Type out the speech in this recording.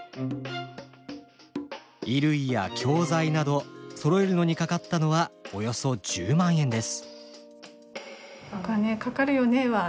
衣類や教材などそろえるのにかかったのはおよそ１０万円です。